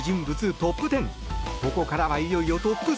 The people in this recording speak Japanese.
トップ１０ここからは、いよいよトップ３。